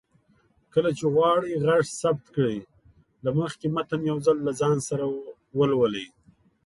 کله چې غواړئ غږ ثبت کړئ، له مخکې متن يو ځل ځان سره ولولئ